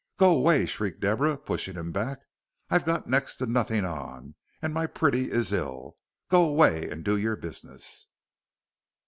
"Go away," shrieked Deborah, pushing him back. "I've got next to nothink on, and my pretty is ill. Go away and do your business."